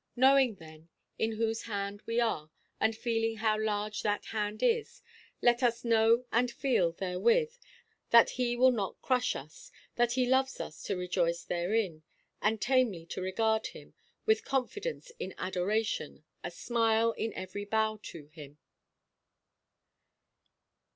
Knowing, then, in whose Hand we are, and feeling how large that Hand is, let us know and feel therewith that He will not crush us; that He loves us to rejoice therein, and tamely to regard Him; with confidence in adoration, a smile in every bow to Him.